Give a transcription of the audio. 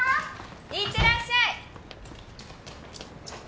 いってらっしゃい。